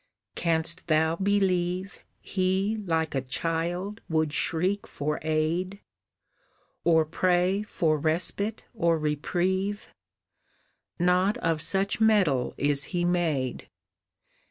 Canst thou believe He like a child would shriek for aid Or pray for respite or reprieve Not of such metal is he made!